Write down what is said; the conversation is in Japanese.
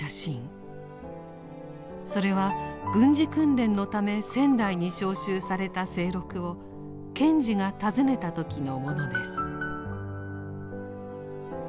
それは軍事訓練のため仙台に召集された清六を賢治が訪ねた時のものです。